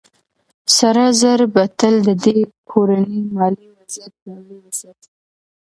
سره زر به تل د دې کورنۍ مالي وضعيت پياوړی وساتي.